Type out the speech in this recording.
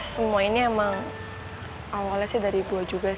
semua ini emang awalnya sih dari gue juga sian